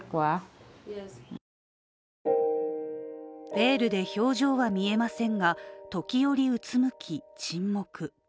ベールで表情は見えませんが時折うつむき、沈黙。